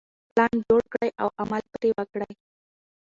پلان جوړ کړئ او عمل پرې وکړئ.